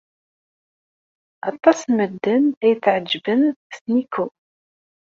Aṭas n medden ay yetɛejjben s Nikko.